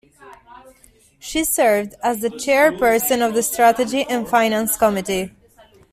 She served as the Chairperson of the Strategy and Finance Committee.